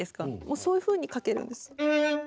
そういうふうにかけるんです。